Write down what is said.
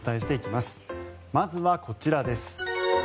まずはこちらです。